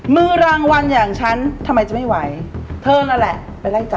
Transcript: เพิ่งจะแข็งตัวมันนะ